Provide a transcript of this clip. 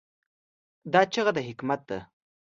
دا چیغه د حکمت ده.